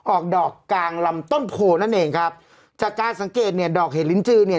ออกดอกกลางลำต้นโพนั่นเองครับจากการสังเกตเนี่ยดอกเห็ดลิ้นจือเนี่ย